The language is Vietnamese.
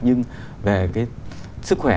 nhưng về cái sức khỏe